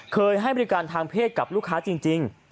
ให้บริการทางเพศกับลูกค้าจริง